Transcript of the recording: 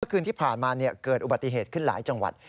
คืนที่ผ่านมาเกิดอุบัติเหตุขึ้นหลายจังหวัด